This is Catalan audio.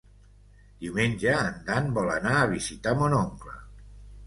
Diumenge en Dan vol anar a visitar mon oncle.